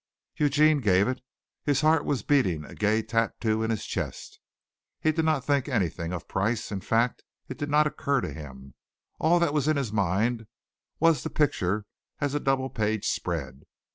Eugene gave it. His heart was beating a gay tattoo in his chest. He did not think anything of price, in fact it did not occur to him. All that was in his mind was the picture as a double page spread.